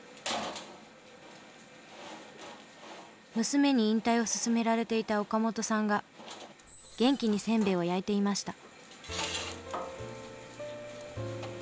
娘に引退を勧められていた岡本さんが元気にせんべいを焼いていました。